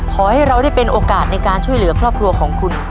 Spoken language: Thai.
ขอให้เราได้เป็นโอกาสในการช่วยเหลือครอบครัวของคุณ